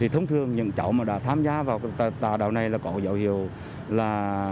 thì thông thường những cháu mà đã tham gia vào tà đạo này là có dạo hiệu là